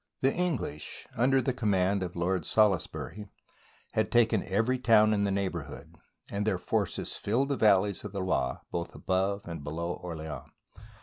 The English, under the command of Lord Salis bury, had taken every town in the neighbourhood, and their forces filled the valley of the Loire both above and below Orleans.